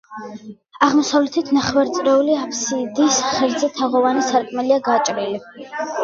აღმოსავლეთით, ნახევარწრიული აფსიდის ღერძზე თაღოვანი სარკმელია გაჭრილი.